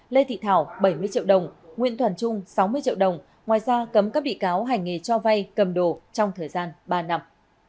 lê thị thảo bảy mươi triệu đồng nguyễn toàn trung sáu mươi triệu đồng ngoài ra cấm các bị cáo hành nghề cho vay cầm đồ trong thời gian ba năm